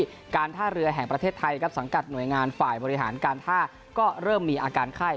การท่าเรือแห่งประเทศไทยครับสังกัดหน่วยงานฝ่ายบริหารการท่าก็เริ่มมีอาการไข้